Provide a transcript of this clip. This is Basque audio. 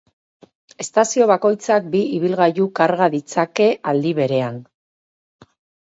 Estazio bakoitzak bi ibilgailu karga ditzake aldi berean.